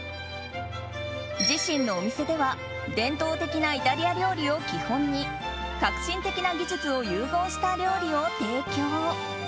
自身のお店では伝統的なイタリア料理を基本に革新的な技術を融合した料理を提供。